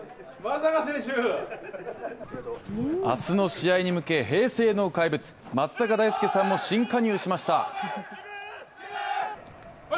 明日の試合に向け平成の怪物・松坂大輔さんも新加入しました。